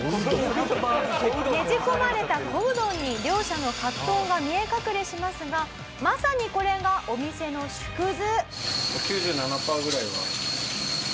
ねじ込まれた小うどんに両者の葛藤が見え隠れしますがまさにこれがお店の縮図。